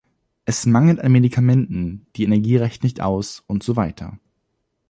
Es mangelt an Medikamenten, die Energie reicht nicht aus, und so weiter.